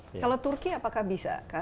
kalau turki apakah bisa